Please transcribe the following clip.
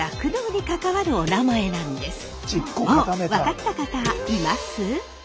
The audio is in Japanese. もう分かった方います？